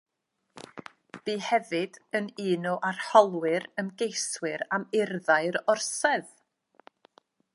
Bu hefyd yn un o arholwyr ymgeiswyr am urddau'r orsedd.